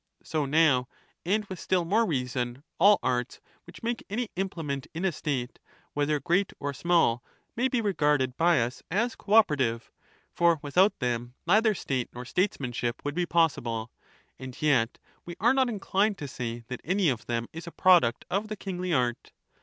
So now, and with still more reason, all arts which make any implement in a State, whether great or small, may be regarded by us as co operative, for without them neither State nor Statesmanship would be possible ; and yet we are not inclined to say that any of them is a product of the kingly art.